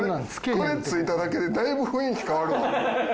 これ付いただけでだいぶ雰囲気変わるわ。